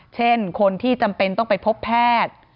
เช่นคนที่จำเป็นต้องไปพบแพทย์